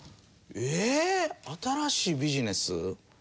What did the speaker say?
えーっ！新しいビジネス？